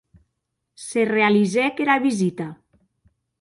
Se realizèc era visita.